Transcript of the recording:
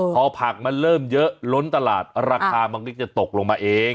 พอผักมันเริ่มเยอะล้นตลาดราคามันก็จะตกลงมาเอง